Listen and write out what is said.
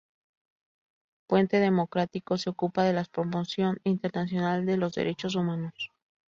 Puente Democrático se ocupa de la promoción internacional de los derechos humanos.